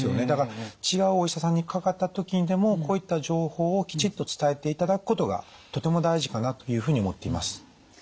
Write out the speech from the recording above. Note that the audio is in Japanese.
だから違うお医者さんにかかった時にでもこういった情報をきちっと伝えていただくことがとても大事かなというふうに思っています。